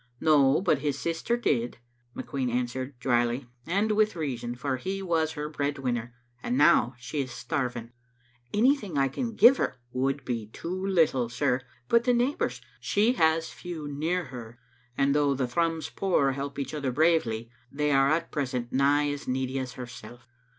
"No, but his sister did," McQueen answered, drily, "and with reason, for he was her breadwinner, and now she is starving." " Anything I can give her "" Would be too little, sir. "" But the neighbours "" She has few near her, and though the Thrums poor help each other bravely, they are at present nigh as needy as herself.